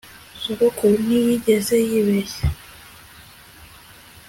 sogokuru ntiyigeze yibeshya